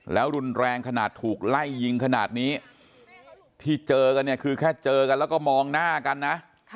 แล้วรุนแรงขนาดถูกไล่ยิงขนาดนี้ที่เจอกันเนี่ยคือแค่เจอกันแล้วก็มองหน้ากันนะ